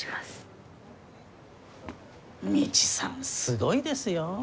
未知さんすごいですよ。